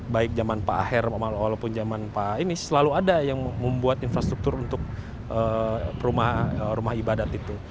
baik zaman pak aher walaupun zaman pak ini selalu ada yang membuat infrastruktur untuk rumah ibadat itu